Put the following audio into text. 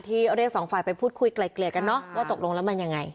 เรียกสองฝ่ายไปพูดคุยไกลเกลี่ยกันเนอะว่าตกลงแล้วมันยังไง